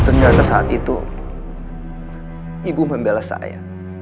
ternyata saat itu ibu membela saya